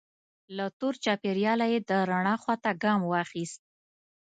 له تور چاپیریاله یې د رڼا خوا ته ګام واخیست.